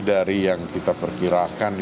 dari yang kita perkirakan